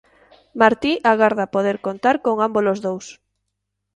Martí agarda poder contar con ámbolos dous.